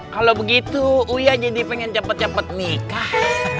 kalo begitu uya jadi pengen cepet cepet nikah